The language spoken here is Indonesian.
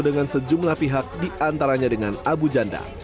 dengan sejumlah pihak diantaranya dengan abu janda